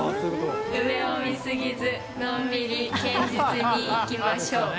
上を見過ぎず、のんびり堅実にいきましょう。